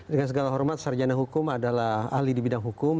dengan segala hormat sarjana hukum adalah ahli di bidang hukum